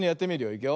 いくよ。